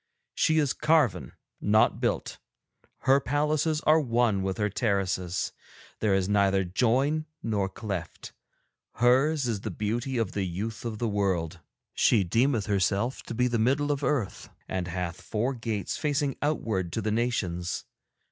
She is carven, not built; her palaces are one with her terraces, there is neither join nor cleft. Hers is the beauty of the youth of the world. She deemeth herself to be the middle of Earth, and hath four gates facing outward to the Nations.